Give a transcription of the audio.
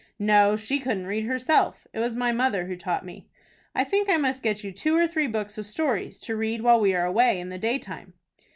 "No, she couldn't read herself. It was my mother who taught me." "I think I must get you two or three books of stories to read while we are away in the daytime."